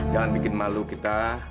jangan bikin malu kita